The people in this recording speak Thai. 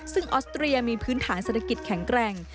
ซึ่งออสเตรียมีพื้นฐานเศรษฐกิจแข็งแกร่ง